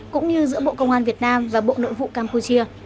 cũng như giữa bộ công an việt nam và bộ nội vụ campuchia